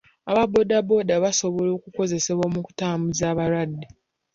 Aba booda booda basobola okukozesebwa mu kutambuza abalwadde.